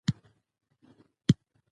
که د مور او که د خور يا په بل کوم نقش کې تل